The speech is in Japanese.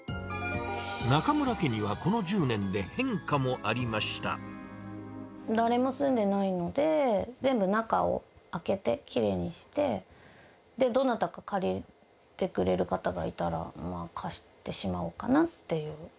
中邑家にはこの１０年で変化誰も住んでないので、全部中を空けて、きれいにして、どなたか借りてくれる方がいたら、まあ、貸してしまおうかなっていう。